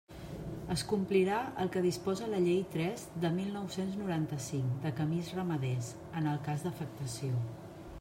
Es complirà el que disposa la Llei tres de mil nou-cents noranta-cinc, de camins ramaders, en el cas d'afectació.